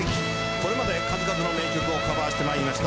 これまで数々の名曲をカバーしてまいりました